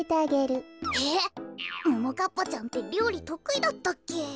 こころのこええっももかっぱちゃんってりょうりとくいだったっけ？